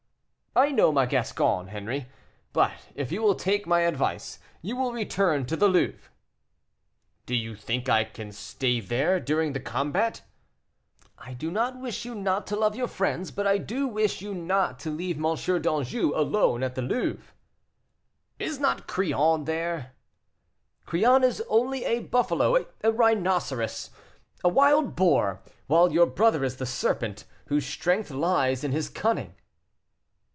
"I know my Gasçon, Henri; but if you will take my advice, you will return to the Louvre." "Do you think I can stay there during the combat?" "I do not wish you not to love your friends, but I do wish you not to leave M. d'Anjou alone at the Louvre." "Is not Crillon there?" "Crillon is only a buffalo a rhinoceros a wild boar; while your brother is the serpent, whose strength lies in his cunning."